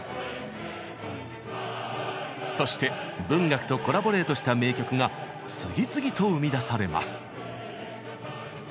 そして文学とコラボレートした名曲が次々と生み出されます。